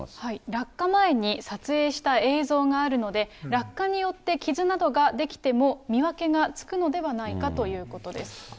落下前に撮影した映像があるので、落下によって傷などが出来ても、見分けがつくのではないかということです。